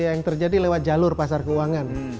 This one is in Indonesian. yang terjadi lewat jalur pasar keuangan